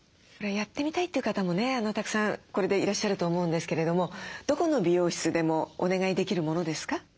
やってみたいという方もねたくさんいらっしゃると思うんですけれどもどこの美容室でもお願いできるものですか？